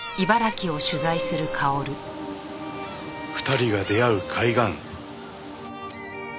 ２人が出会う海岸。